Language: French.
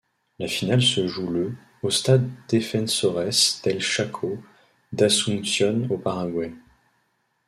La finale se joue le au Stade Defensores del Chaco d'Asuncion au Paraguay.